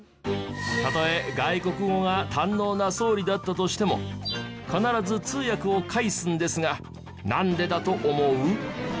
たとえ外国語が堪能な総理だったとしても必ず通訳を介すんですがなんでだと思う？